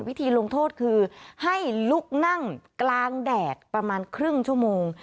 วิธีลงโทษคือให้ลุกนั่งกลางแดดประมาณครึ่งชั่วโมง